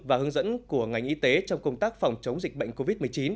và hướng dẫn của ngành y tế trong công tác phòng chống dịch bệnh covid một mươi chín